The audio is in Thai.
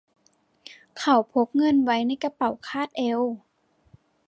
เขาพกเงินไว้ในกระเป๋าคาดเอว